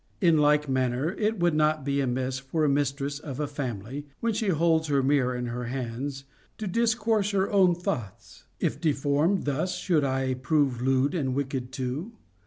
In like manner, it would not be amiss for a mistress of a family, when she holds her mirror in her hands, to discourse her own thoughts :— if deformed, thus, Should I prove lewd and wicked too